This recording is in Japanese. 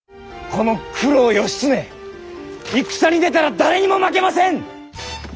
この九郎義経戦に出たら誰にも負けません！